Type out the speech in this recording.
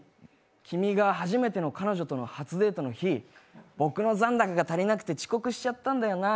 君が初めての彼女との初デートの日、僕の残高が足りなくて遅刻しちゃったんだよな。